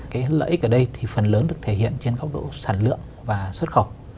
cái lợi ích ở đây thì phần lớn được thể hiện trên góc độ sản lượng và xuất khẩu